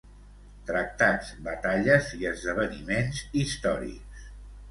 Tractats, batalles i esdeveniments històrics.